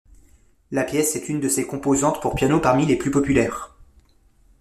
La pièce est une de ses compositions pour piano parmi les plus populaires.